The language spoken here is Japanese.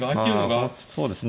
ああそうですね。